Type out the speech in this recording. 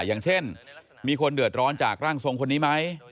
อย่างเช่นมีคนเดือดร้อนจากร่างทรงคนนี้ไหม